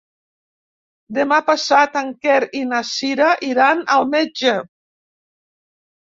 Demà passat en Quer i na Cira iran al metge.